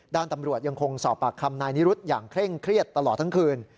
ด้านตำรวจยังคงสอบปากคำนายนิรุธอย่างเคร่งเครียดตลอดทั้งคืน